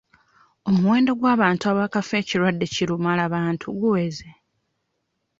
Omuwendo gw'abantu abaakafa ekirwadde kirumalabantu guweze.